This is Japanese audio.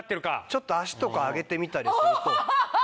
ちょっと足とか上げてみたりすると。